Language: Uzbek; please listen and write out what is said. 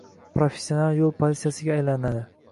professional yo'l politsiyasiga aylanadi ;